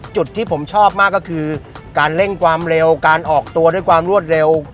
จุดที่ผมชอบมากก็คือการเร่งความเร็วการออกตัวด้วยความรวดเร็ว